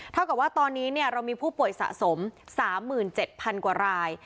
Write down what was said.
เท่ากับว่าตอนนี้เนี่ยเรามีผู้ป่วยสะสมสามหมื่นเจ็ดพันกว่าราย